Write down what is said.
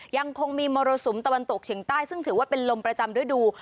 ยังคงมีมรสุมตะวันตกเฉียงใต้ซึ่งถือว่าเป็นลมประจำฤดู